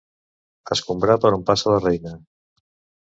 Escombrar per on passa la reina.